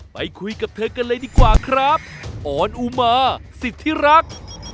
ไปคุยกับเธอกันเลยดีกว่าครับออนอุมาสิทธิรัก